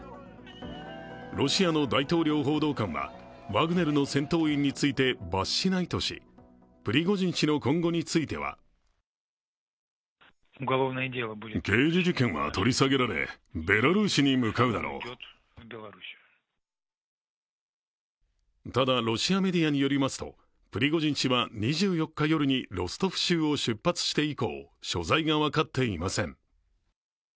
ロシアの大統領報道官はワグネルの戦闘員について罰しないとし、プリゴジン氏の今後についてはただ、ロシアメディアによりますと、プリゴジン氏は２４日夜にロストフ州を出発して以降所在が分かっていません。